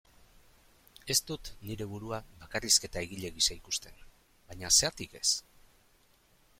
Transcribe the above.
Ez dut nire burua bakarrizketa-egile gisa ikusten, baina zergatik ez?